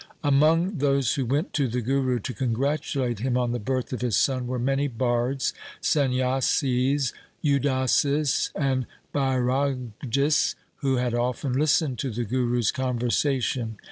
Among those who went to the Guru to congratu late him on the birth of his son were many bards, Sanyasis, Udasis, and Bairagis, who had often lis tened to the Guru's conversation.